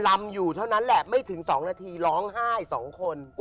ำอยู่เท่านั้นแหละไม่ถึง๒นาทีร้องไห้๒คน